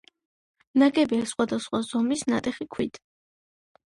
ნაგებია სხვადასხვა ზომის ნატეხი ქვით.